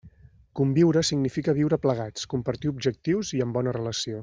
Conviure significa viure plegats, compartir objectius i en bona relació.